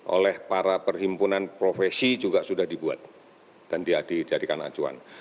oleh para perhimpunan profesi juga sudah dibuat dan dia dijadikan acuan